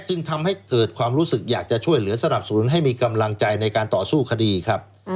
จึงทำให้เกิดความรู้สึกอยากจะช่วยเหลือสนับสนุนให้มีกำลังใจในการต่อสู้คดีครับ